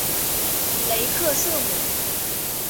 雷克瑟姆。